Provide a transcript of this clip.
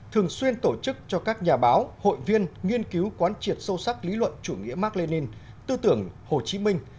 thường xuyên tổ chức cho các nhà báo hội viên nghiên cứu quán triệt sâu sắc lý luận chủ nghĩa mark lenin tư tưởng hồ chí minh